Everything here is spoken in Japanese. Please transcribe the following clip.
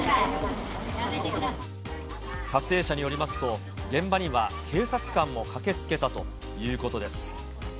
撮影者によりますと、現場には警察官も駆けつけたということです。